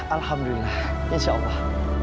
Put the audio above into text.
alhamdulillah insya allah